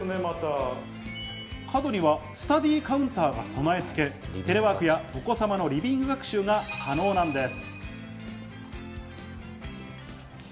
角にはスタディーカウンターが備え付け、テレワークやお子様のリビング学習が可能なんです。